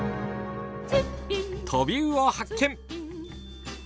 トビウオ発見！